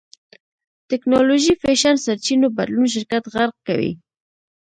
ټېکنالوژي فېشن سرچينو بدلون شرکت غرق کوي.